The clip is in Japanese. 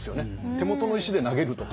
手元の石で投げるとか。